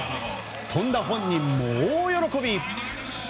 飛んだ本人も大喜び！